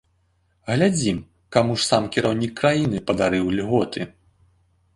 Глядзім, каму ж сам кіраўнік краіны падарыў льготы.